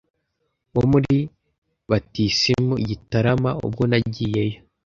wo muri batisimu I gitarama, ubwo nagiyeyo